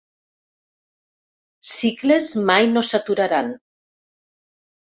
Cicles mai no s'aturaran.